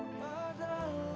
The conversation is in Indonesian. aku yang kar conversation